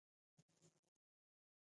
سوریه ځمکې لاندې څه لري چې اسرایل غواړي؟😱